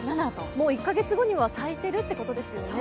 もう１か月後には咲いているということですよね。